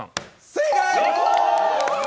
正解！